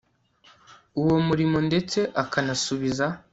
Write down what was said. uwo murimo ndetse akanasubiza